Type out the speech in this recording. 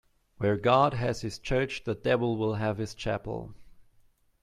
Where God has his church, the devil will have his chapel.